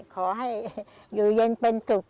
ขอให้อยู่เย็นเป็นสุข